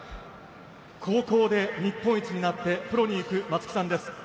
高校で日本一になってプロに行く松木さんです。